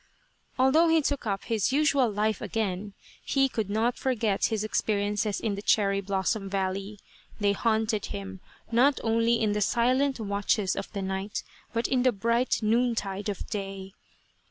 Although he took up his usual life again, he could not 249 A Cherry Flower Idyll forget his experiences in the cherry blossom valley, they haunted him not only in the silent watches of the night, but in the bright noontide of day.